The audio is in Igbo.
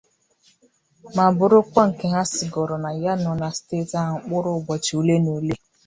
ma bụrụkwa nke ha sigoro na ya nọọ na steeti ahụ mkpụrụ ụbọchị olenaole